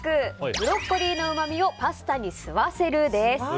ブロッコリーのうまみをパスタに吸わせるです。